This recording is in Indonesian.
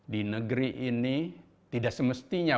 di negeri ini tidak semestinya